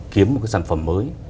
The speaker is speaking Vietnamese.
kiếm một cái sản phẩm mới